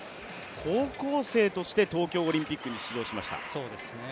高校生として東京オリンピックに出場しました。